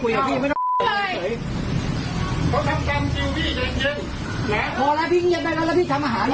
ก็ทำมาด้วยต้องก็รอดีอย่างนั้นอ่ะไปรอเรียกผมเงียบอ่ะนะพี่